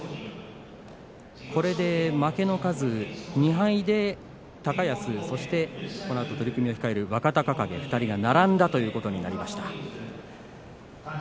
これで負けの数２敗で高安、そしてこのあと取組を控える若隆景２人が並んだということになりました。